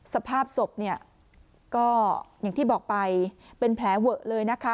สภาพศพเนี่ยก็อย่างที่บอกไปเป็นแผลเวอะเลยนะคะ